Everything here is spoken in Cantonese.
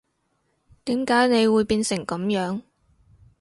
點解你會變成噉樣